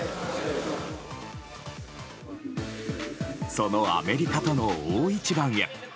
そのアメリカとの大一番へ。